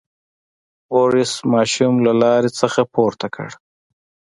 بوریس ماشوم له لارې نه پورته کړ.